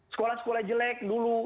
sekolah sekolah jelek dulu